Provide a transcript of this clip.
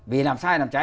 vì làm sai làm trái